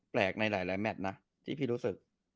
ในหลายแมทนะที่พี่รู้สึก